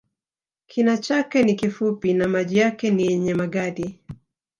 Kina chake ni kifupi na maji yake ni yenye magadi